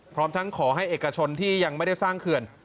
พร้อมทั้งขอให้เอกชนที่ยังไม่ได้สร้างเขื่อน